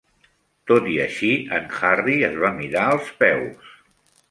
Tot i així, en Harry es va mirar els peus.